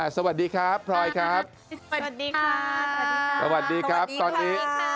สวัสดีครับพลอยครับสวัสดีครับสวัสดีครับสวัสดีครับ